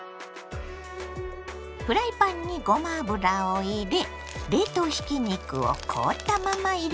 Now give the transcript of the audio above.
フライパンにごま油を入れ冷凍ひき肉を凍ったまま入れます。